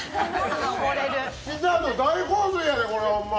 ピザの大洪水やで、これはホンマ。